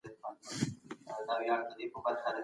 ذهني فشار د بخښنې توان کموي.